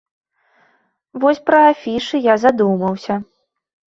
Вось пра афішы я задумаўся.